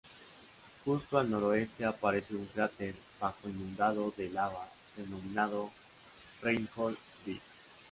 Justo al noreste aparece un cráter bajo e inundado de lava, denominado "Reinhold B".